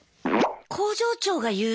工場長が言うの？